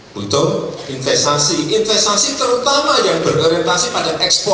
butuh investasi investasi terutama yang berorientasi pada ekspor